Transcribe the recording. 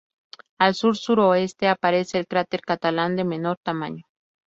Al sur-suroeste aparece el cráter Catalán, de menor tamaño.